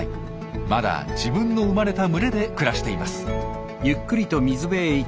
まだ自分の生まれた群れで暮らしています。